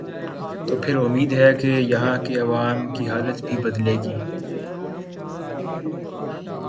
توپھر امید ہے کہ یہاں کے عوام کی حالت بھی بدلے گی۔